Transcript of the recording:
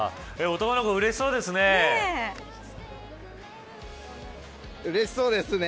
男の子、嬉しそうですね。